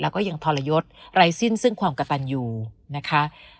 แล้วก็ยังทรยศไร้สิ้นซึ่งความกระตันอยู่นะคะ